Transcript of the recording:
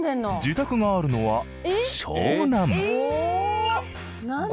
自宅があるのは湘南。